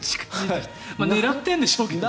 狙ってるんでしょうけどね。